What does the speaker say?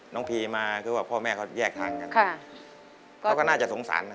น้องพีมาคือว่าพ่อแม่เขาแยกทางกันนะครับเขาก็น่าจะสงสารนะครับ